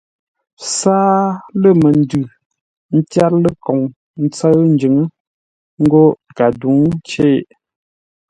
Sâa lə məndʉ tyár ləkoŋ ńtsə́ʉ njʉŋə́ ńgó kadǔŋcei.